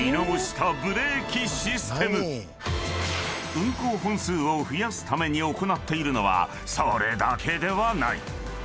［運行本数を増やすために行っているのはそれだけではない］